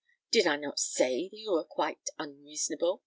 "Did I not say that you were quite unreasonable?"